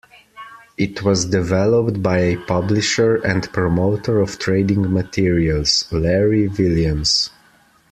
It was developed by a publisher and promoter of trading materials, Larry Williams.